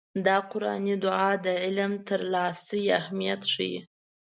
دا قرآني دعا د علم ترلاسي اهميت ښيي.